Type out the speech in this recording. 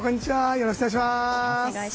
よろしくお願いします。